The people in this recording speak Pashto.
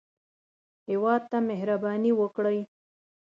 هېواد ته مهرباني وکړئ